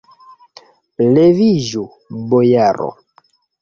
Leviĝu, bojaro!